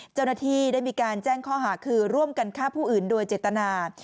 เจ้าหน้าที่ได้มีการแจ้งข้อหาคือร่วมกันฆ่าผู้อื่นโดยเจตนา